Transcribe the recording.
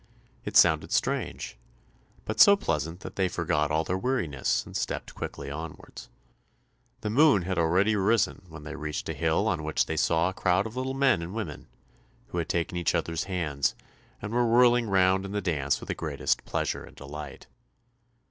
It sounded strange, but so pleasant that they forgot all their weariness and stepped quickly onwards. The moon had already arisen when they reached a hill on which they saw a crowd of little men and women, who had taken each other's hands, and were whirling round in the dance with the greatest pleasure and delight.